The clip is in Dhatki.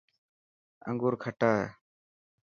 انوگور کٽا هي.